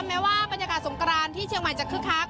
แม้ว่าบรรยากาศสงกรานที่เชียงใหม่จะคึกคัก